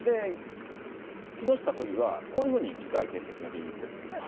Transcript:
木下都議は、こういうふうに議会欠席の理由を言ってるんですね。